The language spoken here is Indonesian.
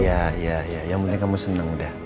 iya yang penting kamu seneng udah